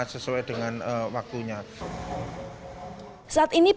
sesuai dengan waktunya saat ini pmi surabaya memakai tiga merek alat untuk